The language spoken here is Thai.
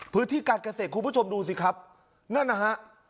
พื้นที่การเกษตรคุณผู้ชมดูสิครับนั่นนะฮะ